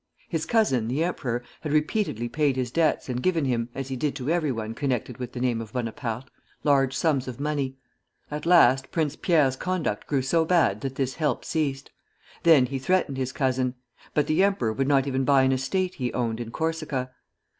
His cousin, the emperor, had repeatedly paid his debts and given him, as he did to every one connected with the name of Bonaparte, large sums of money. At last Prince Pierre's conduct grew so bad that this help ceased. Then he threatened his cousin; but the emperor would not even buy an estate he owned in Corsica.